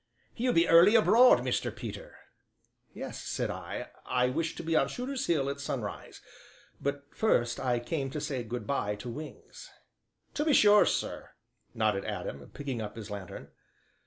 "You be early abroad, Mr. Peter." "Yes," said I. "I wish to be on Shooter's Hill at sunrise; but first I came to say 'good by' to 'Wings.'" "To be sure, sir," nodded Adam, picking up his lanthorn.